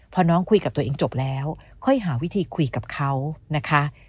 พอน้องคุยกับตัวเองจบแล้วค่อยหาวิธีคุยกับเขานะคะ